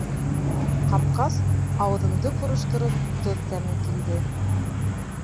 Ҡапҡас, ауыҙымды ҡороштороп, тоҙ тәме килде...